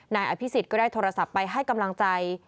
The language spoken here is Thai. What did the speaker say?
นายอภิษฎก็ได้โทรศัพท์ไปให้กำลังใจ